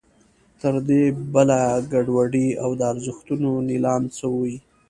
تر دې بله ګډوډي او د ارزښتونو نېلام څه وي.